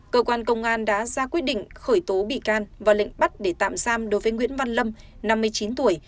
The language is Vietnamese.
cơ quan công an đã ra quyết định khởi tố bị can và lệnh bắt để tạm giam đối với nguyễn văn lâm năm mươi chín tuổi